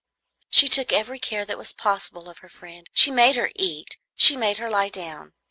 She took every care that was possible of her friend. She made her eat; she made her lie down.